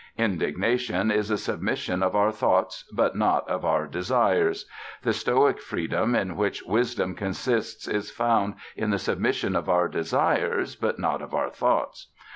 Indignation is a submission of our thoughts, but not of our desires; the Stoic freedom in which wisdom consists is found in the submission of our desires, but not of our thoughts.